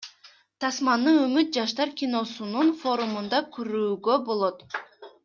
Тасманы Үмүт жаштар киносунун форумунда көрүүгө болот.